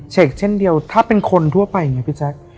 เชกเช่นเดียวถ้าเป็นคนทั่วไปอย่างนี้พี่แจ๊ค